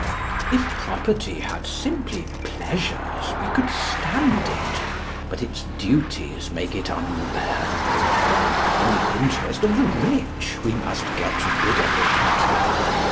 If property had simply pleasures, we could stand it; but its duties make it unbearable. In the interest of the rich we must get rid of it.